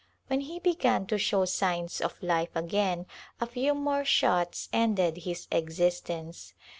When he began to show signs of life again a ^^v^ more shots ended his existence.